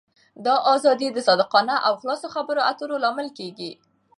دا آزادي د صادقانه او خلاصو خبرو اترو لامل کېږي.